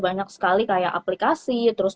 banyak sekali kayak aplikasi terus